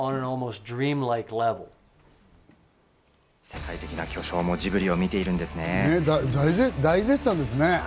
世界的な巨匠もジブリを見て大絶賛ですね。